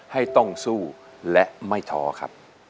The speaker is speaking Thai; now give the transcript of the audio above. ให้ต้องสู้และไม่ท้อครับ